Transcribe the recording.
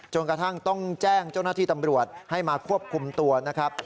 กระทั่งต้องแจ้งเจ้าหน้าที่ตำรวจให้มาควบคุมตัวนะครับ